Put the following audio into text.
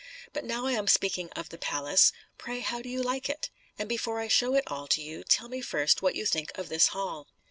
But now I am speaking of the palace, pray how do you like it? And before I show it all to you, tell me first what you think of this hall."